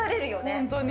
本当に。